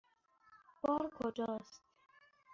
بار کجاست؟